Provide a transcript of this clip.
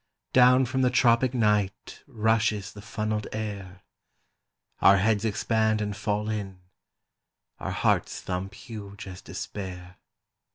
"Down from the tropic night Rushes the funnelled air; Our heads expand and fall in; Our hearts thump huge as despair.